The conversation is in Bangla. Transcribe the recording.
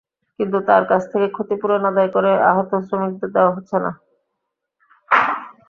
কিন্তু তাঁর কাছ থেকে ক্ষতিপূরণ আদায় করে আহত শ্রমিকদের দেওয়া হচ্ছে না।